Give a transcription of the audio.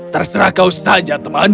terserah kau saja teman